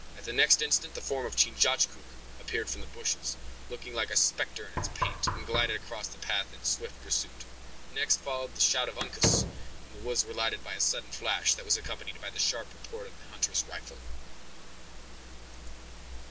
At the next instant the form of Chingachgook appeared from the bushes, looking like a specter in its paint, and glided across the path in swift pursuit. Next followed the shout of Uncas, when the woods were lighted by a sudden flash, that was accompanied by the sharp report of the hunter's rifle.